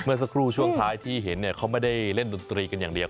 เมื่อสักครู่ช่วงท้ายที่เห็นเนี่ยเขาไม่ได้เล่นดนตรีกันอย่างเดียว